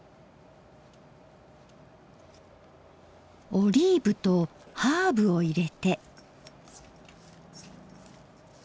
オリーブとハーブを入れて。